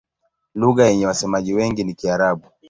Lugha yenye wasemaji wengi ni Kiarabu.